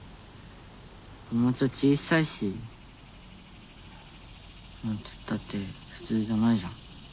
この町は小さいし何つったって普通じゃないじゃん。